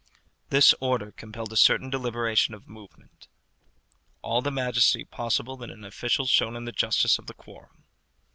This order compelled a certain deliberation of movement. All the majesty possible in an official shone in the justice of the quorum.